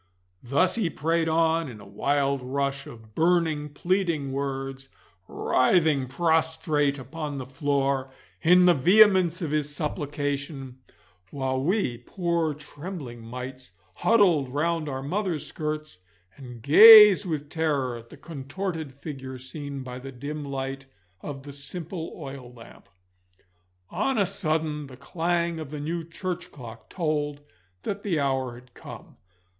Thus he prayed on in a wild rush of burning, pleading words, writhing prostrate upon the floor in the vehemence of his supplication, while we, poor trembling mites, huddled round our mother's skirts and gazed with terror at the contorted figure seen by the dim light of the simple oil lamp. On a sudden the clang of the new church clock told that the hour had come.